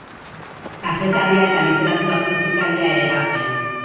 Kazetaria eta literatura kritikaria ere bazen.